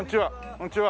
こんにちは。